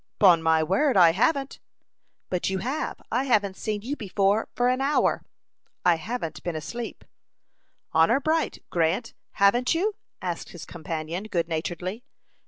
"'Pon my word, I haven't." "But you have; I haven't seen you before for an hour." "I haven't been asleep." "Honor bright, Grant, haven't you?" asked his companion, good naturedly.